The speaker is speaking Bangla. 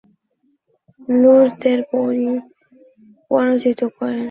তিনি লুরদের পরাজিত করেন।